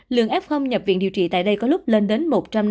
lượng f nhập viện điều trị tại đây có lúc lên đến một trăm năm mươi